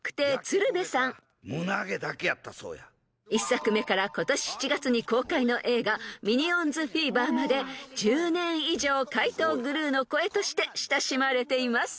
［１作目から今年７月に公開の映画『ミニオンズフィーバー』まで１０年以上怪盗グルーの声として親しまれています］